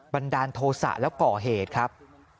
บันดาลโทษะแล้วก่อเหตุครับ